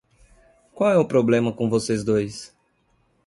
Qual é o problema com vocês dois?